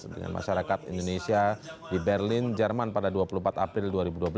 dengan masyarakat indonesia di berlin jerman pada dua puluh empat april dua ribu dua belas